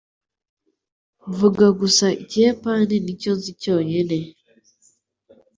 mvuga gusa Ikiyapani nicyo nzi cyonyine